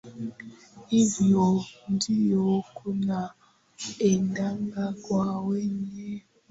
Hivo Ndio Kunaendaga kwa wenye dhambi.